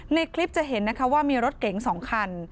ในคลิปจะเห็นนะคะว่ามีรถเก๋ง๒คัน